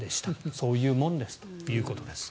そういうもんですということです。